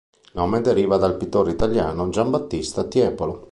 Il nome deriva dal pittore italiano Giambattista Tiepolo.